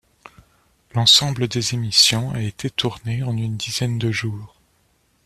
L'ensemble des émissions a été tourné en une dizaine de jours.